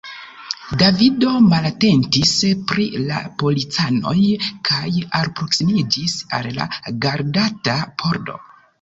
Davido malatentis pri la policanoj kaj alproksimiĝis al la gardata pordo.